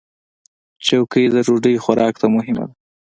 چوکۍ د ډوډۍ خوراک ته مهمه ده.